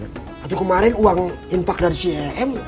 lalu kemarin uang impak dari cim